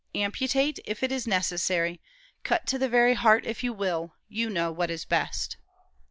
Amputate, if it is necessary; cut to the very heart, if you will. You know what is best.'"